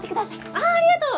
あっありがとう！